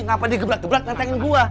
ngapa dia gebrek gebrek nantangin gua